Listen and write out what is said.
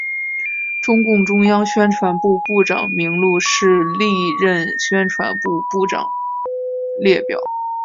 中共中央宣传部部长名录是历任宣传部部长列表。